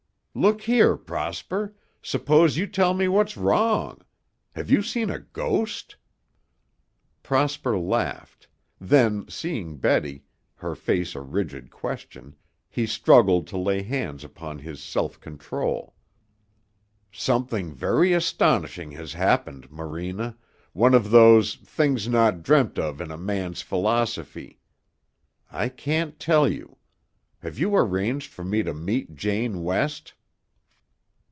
"Look here, Prosper, suppose you tell me what's wrong. Have you seen a ghost?" Prosper laughed; then, seeing Betty, her face a rigid question, he struggled to lay hands upon his self control. "Something very astonishing has happened, Morena, one of those 'things not dreamt of in a man's philosophy.' I can't tell you. Have you arranged for me to meet Jane West?"